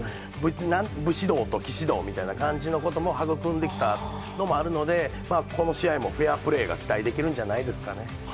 武士道と、騎士道みたいな感じのことも育んできたのもあるので、この試合も、フェアプレーが期待できるんじゃないですかね。